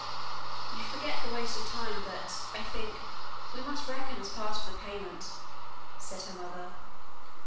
"You forget the waste of time that, I think, we must reckon as part of the payment," said her mother.